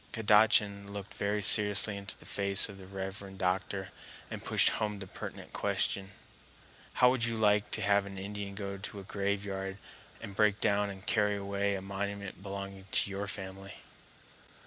Kadachan looked very seriously into the face of the reverend doctor and pushed home the pertinent question: "How would you like to have an Indian go to a graveyard and break down and carry away a monument belonging to your family?"